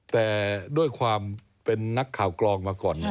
แต่ด้วยความเป็นนักข่าวกรองมาก่อน